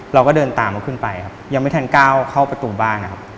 เราก็เดินตามเขาขึ้นไปยังไม่ทันก้าวเข้าประตูบ้าน